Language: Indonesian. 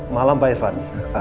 malam pak irfan